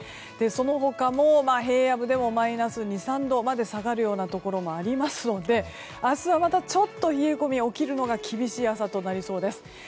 その他も平野部でもマイナス２３度まで下がるところもありますので明日はまたちょっと起きるのが厳しい朝となりそうです。